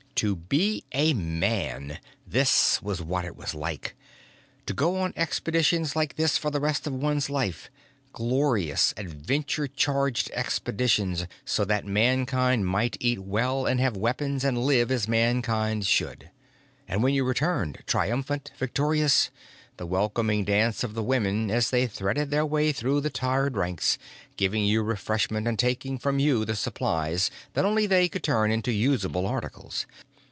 To be a man this was what it was like! To go on expeditions like this for the rest of one's life, glorious, adventure charged expeditions so that Mankind might eat well and have weapons and live as Mankind should. And when you returned, triumphant, victorious, the welcoming dance of the women as they threaded their way through the tired ranks, giving you refreshment and taking from you the supplies that only they could turn into usable articles.